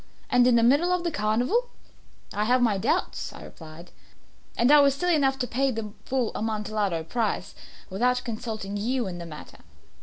And in the middle of the carnival!" "I have my doubts," I replied; "and I was silly enough to pay the full Amontillado price without consulting you in the matter.